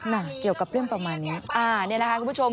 นี่นะคะคุณผู้ชม